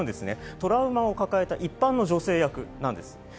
トラウマを抱えた、一般の女性役です。